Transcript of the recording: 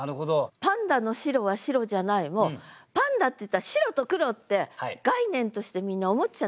「パンダのしろは白ぢやない」もパンダっていったら白と黒って概念としてみんな思っちゃってるじゃない？